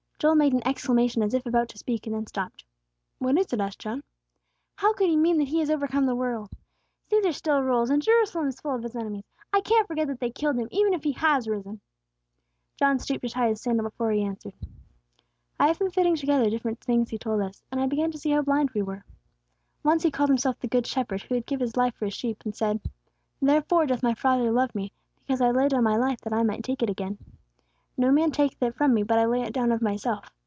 Joel made an exclamation as if about to speak, and then stopped. "What is it?" asked John. "How could He mean that He has overcome the world? Cæsar still rules, and Jerusalem is full of His enemies. I can't forget that they killed Him, even if He has risen." John stooped to tie his sandal before he answered. "I have been fitting together different things He told us; and I begin to see how blind we were. Once He called Himself the Good Shepherd who would give his life for his sheep, and said, 'Therefore doth my Father love me, because I lay down my life that I might take it again. No man taketh it from me, but I lay it down of myself.